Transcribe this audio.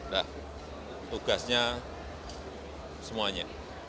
nah tugasnya semuanya